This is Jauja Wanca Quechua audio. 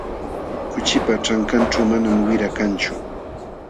Kuchipa ćhankanćhu manam wira kanchu.